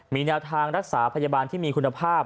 มีแนวทางรักษาพยาบาลที่มีคุณภาพ